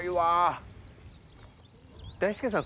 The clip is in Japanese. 大輔さん